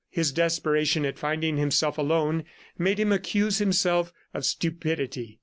... His desperation at finding himself alone made him accuse himself of stupidity.